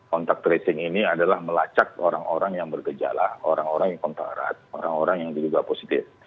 contact tracing ini adalah melacak orang orang yang bergejala orang orang yang kontra rat orang orang yang juga positif